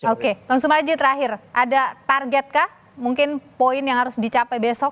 oke bang sumarji terakhir ada targetkah mungkin poin yang harus dicapai besok